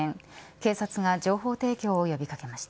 警察が情報提供を呼び掛けました。